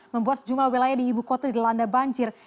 membuat jumlah wilayah di ibu kota dilanda banjir